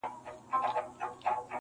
په ګرداب کی ستاسي کلی د پلار ګور دی -